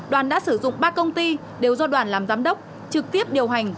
đoàn đã sử dụng ba công ty đều do đoàn làm giám đốc trực tiếp điều hành